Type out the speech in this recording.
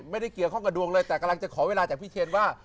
ไม่ได้เกี่ยวมีคลั่งของดวงเลยแต่จะขอเวลาจากพี่เชนว่า